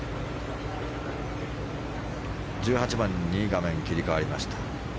１８番に画面が切り替わりました。